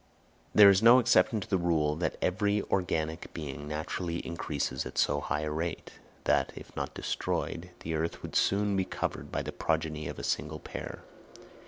There is no exception to the rule that every organic being naturally increases at so high a rate, that, if not destroyed, the earth would soon be covered by the progeny of a single pair.